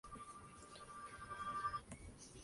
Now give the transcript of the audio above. Eso dio pie a la invención del Velcro